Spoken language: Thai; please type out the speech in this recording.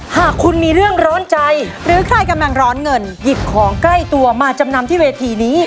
หากคุณมีเรื่องร้อนใจหรือใครกำลังร้อนเงินหยิบของใกล้ตัวมาจำนำที่เวทีนี้